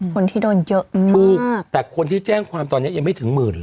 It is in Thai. คนที่โดนเยอะถูกแต่คนที่แจ้งความตอนนี้ยังไม่ถึงหมื่นเลย